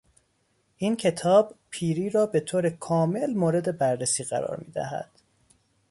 این کتاب پیری را به طور کامل مورد بررسی قرار میدهد.